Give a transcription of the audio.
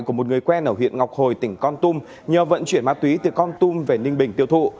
của một người quen ở huyện ngọc hồi tỉnh con tum nhờ vận chuyển ma túy từ con tum về ninh bình tiêu thụ